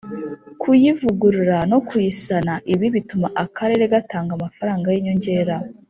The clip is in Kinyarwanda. Kuyivugurura no kuyisana ibi bituma akarere gatanga amafaranga y inyongera